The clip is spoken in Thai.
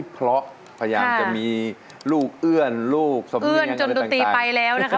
บางทีนะคุณลุงนะคะ